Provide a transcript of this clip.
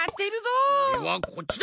おれはこっちだ！